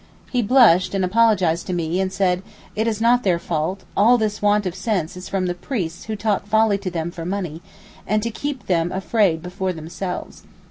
He blushed, and apologized to me, and said, 'It is not their fault; all this want of sense is from the priests who talk folly to them for money, and to keep them afraid before themselves.